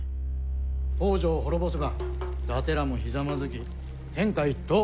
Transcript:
北条を滅ぼせば伊達らもひざまずき天下一統。